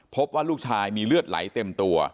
พบว่าลูกชายมีเลือดไหลเต็มตัว